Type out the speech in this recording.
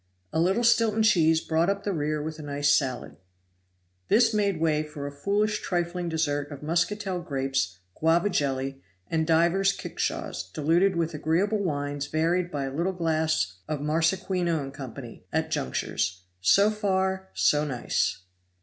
A little Stilton cheese brought up the rear with a nice salad. This made way for a foolish trifling dessert of muscatel grapes, guava jelly and divers kickshaws diluted with agreeable wines varied by a little glass of Marasquino & Co., at junctures. So far so nice!